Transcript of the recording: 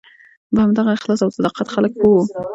په همدغه اخلاص او صداقت خلک پوه وو.